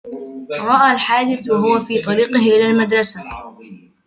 رأى الحادث وهو في طريقه إلى المدرسة.